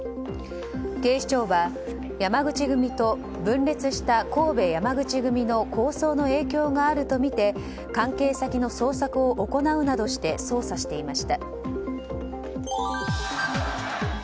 警視庁は山口組と分裂した神戸山口組の抗争の影響があるとみて関係先の捜索を行うなどして捜査していました。